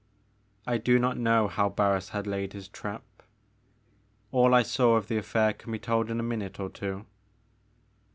I do not know how Barris had laid his trap ; all I saw of the affair can be told in a minute or two.